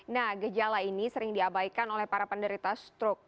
nah gejala ini sering diabaikan oleh para penderita stroke